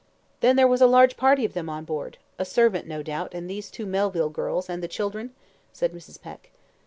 "Then there was a large party of them on board; a servant, no doubt, and these two Melville girls, and the children?" said Mrs. Peck.